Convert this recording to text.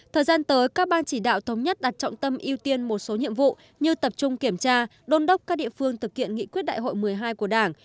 thời gian tới các ban chỉ đạo thống nhất đặt trọng tâm ưu tiên một số nhiệm vụ như tập trung kiểm tra đôn đốc các địa phương thực hiện nghị quyết đại hội một mươi hai của đảng